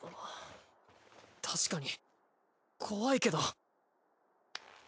確かに怖いけど。